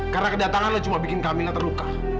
karena kedatangan lu cuma bikin kamila terluka